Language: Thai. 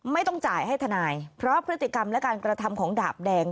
ไม่ต้องจ่ายให้ทนายเพราะพฤติกรรมและการกระทำของดาบแดง